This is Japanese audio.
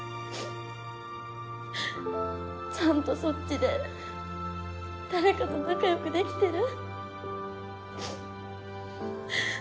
ちゃんとそっちで誰かと仲良くできてる？